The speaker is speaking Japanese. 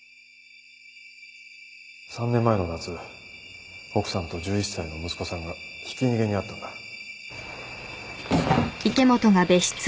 ３年前の夏奥さんと１１歳の息子さんがひき逃げに遭ったんだ